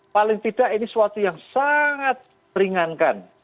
paling tidak ini suatu yang sangat meringankan